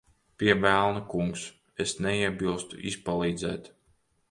Pie velna, kungs. Es neiebilstu izpalīdzēt.